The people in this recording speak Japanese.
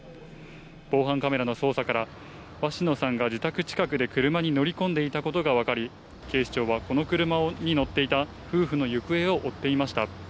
防犯カメラの捜査から鷲野さんが自宅近くで車に乗り込んでいたことが分かり、警視庁はこの車に乗っていた夫婦の行方を追っていました。